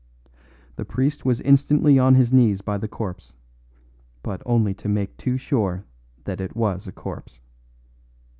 The priest was instantly on his knees by the corpse; but only to make too sure that it was a corpse.